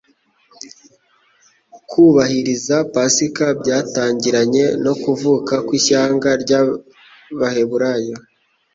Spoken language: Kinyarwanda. Kubahiriza Pasika byatangiranye no kuvuka kw'ishyanga ry'Abaheburayo